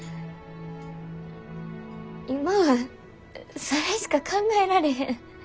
今はそれしか考えられへん。